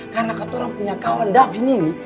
karena katora punya kawan davin ini